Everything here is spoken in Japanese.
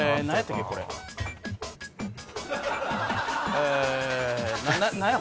え何や？